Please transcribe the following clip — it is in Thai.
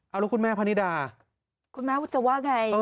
แล้วคุณแม่พะนิดาคุณแม่ว่าจะว่าอย่างไร